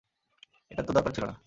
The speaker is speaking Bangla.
এটার তো দরকার ছিল না!